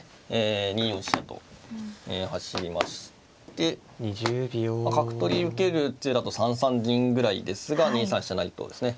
２四飛車と走りまして角取り受ける手だと３三銀ぐらいですが２三飛車成とですね